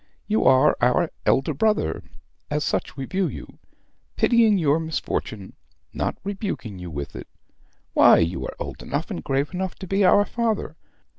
You are our elder brother as such we view you, pitying your misfortune, not rebuking you with it. Why, you are old enough and grave enough to be our father.